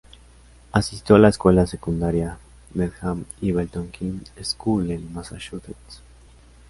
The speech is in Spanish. Asistió a la Escuela Secundaria Needham y Belmont Hill School en Massachusetts.